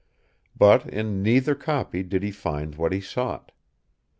But in neither copy did he find what he sought.